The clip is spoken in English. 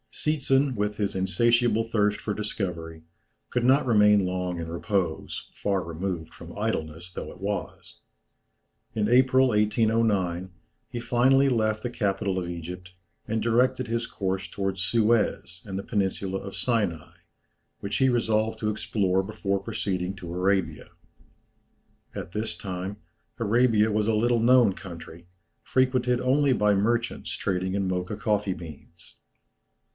Seetzen, with his insatiable thirst for discovery, could not remain long in repose, far removed from idleness though it was. In April, 1809, he finally left the capital of Egypt, and directed his course towards Suez and the peninsula of Sinai, which he resolved to explore before proceeding to Arabia. At this time Arabia was a little known country, frequented only by merchants trading in Mocha coffee beans.